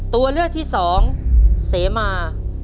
ตัวเลือกที่สองเสมา